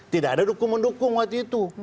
tidak ada dukung mendukung waktu itu